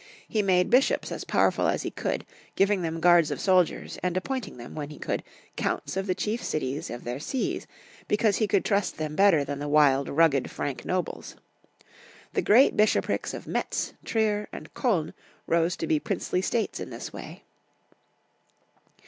He made bishops as powerful as he could, giving them guards of soldiers, and appointing them, when he could. Counts of the chief cities of their sees, because he could trust them better than the wild, rugged Frank nobles. The great bishoprics of Metz, Trier, and Koln rose to be princely states in this way.